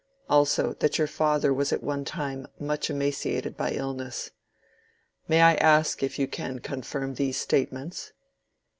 Also, that your father was at one time much emaciated by illness. May I ask if you can confirm these statements?"